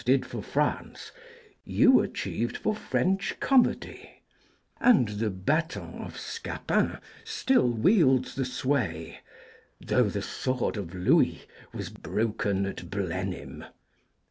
did for France you achieved for French comedy; and the ba'ton of Scapin still wields its sway though the sword of Louis was broken at Blenheim.